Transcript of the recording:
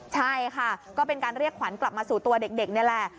ใช่ค่ะก็เป็นการเรียกขวัญกลับมาสู่ตัวเด็กนี่แหละ